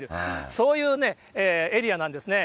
そういうエリアなんですね。